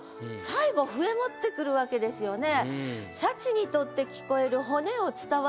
最後「笛」持ってくるわけですよね。